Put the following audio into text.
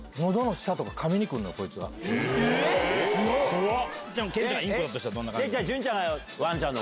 怖っ！